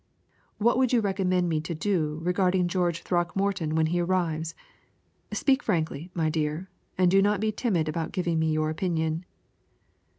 what would you recommend me to do regarding George Throckmorton when he arrives? Speak frankly, my dear, and do not be timid about giving me your opinion."